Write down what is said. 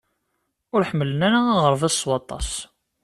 Ur ḥemmlen ara aɣerbaz s waṭas.